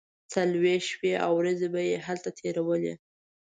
څلوېښت شپې او ورځې به یې هلته تیرولې.